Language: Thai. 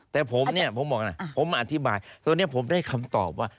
แต่ผมเนี่ยผมบอกนะผมอธิบายตัวนี้ผมได้คำตอบว่า